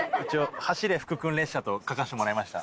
「走れ福君列車」と書かせてもらいました。